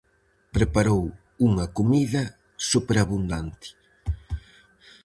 Preparou unha comida superabundante.